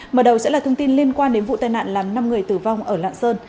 mở đầu sẽ là thông tin liên quan đến vụ tai nạn làm năm người tử vong ở lạng sơn